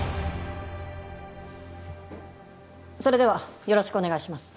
それではよろしくお願いします。